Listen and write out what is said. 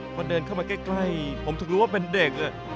พอเดินเข้ามาใกล้ผมถึงรู้ว่าเป็นเด็ก